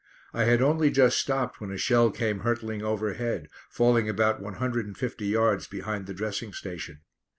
I had only just stopped when a shell came hurtling overhead, falling about one hundred and fifty yards behind the dressing station.